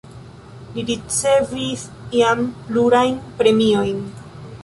Li ricevis jam plurajn premiojn.